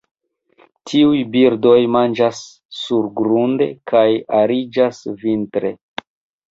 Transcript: Tiuj birdoj manĝas surgrunde, kaj ariĝas vintre.